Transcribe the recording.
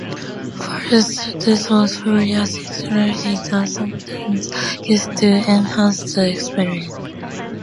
Fursuits or furry accessories are sometimes used to enhance the experience.